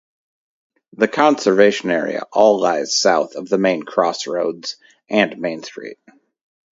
The conservation area all lies south of the main crossroads and Main Street.